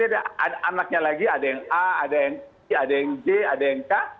ada anaknya lagi ada yang a ada yang c ada yang j ada yang k